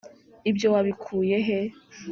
ibyo wabikuye he?